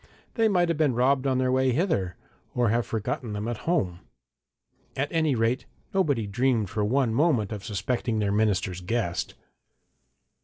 they might have been robbed on their way hither, or have forgotten them at home. At any rate, nobody dreamed for one moment of suspecting their minister's guest.